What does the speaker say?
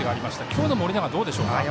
今日の盛永、どうでしょうか。